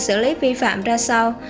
xử lý vi phạm ra sao